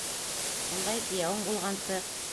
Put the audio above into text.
Ундай кейәүең булғансы...